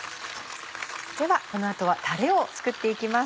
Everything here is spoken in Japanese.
ではこの後はタレを作って行きます。